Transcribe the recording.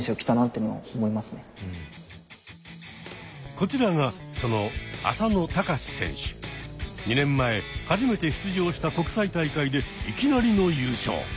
こちらがその２年前初めて出場した国際大会でいきなりの優勝。